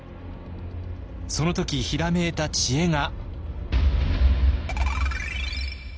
その時ひらめいた知恵が。